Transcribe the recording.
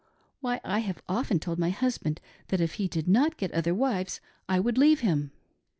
^ Why I have often told my husband that if he did not get other wives I would leave him.